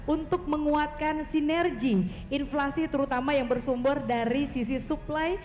untuk menguatkan sinergi inflasi terutama yang bersumber dari sisi supply